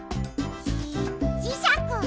じじしゃく！